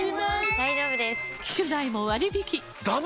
大丈夫です！